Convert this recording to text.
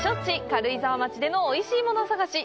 軽井沢町でのおいしいもの探し。